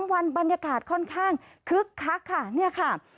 ๓วันบรรยากาศค่อนข้างคึกคักค่ะ